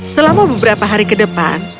selama beberapa hari ke depan